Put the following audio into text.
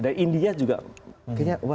dari india juga kayaknya wah kita juga banyak